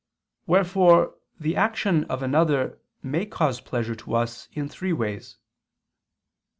Wherefore the action of another may cause pleasure to us in three ways.